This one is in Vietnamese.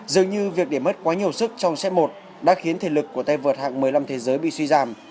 dường như việc để mất quá nhiều sức trong sec một đã khiến thể lực của tay vợt hạng một mươi năm thế giới bị suy giảm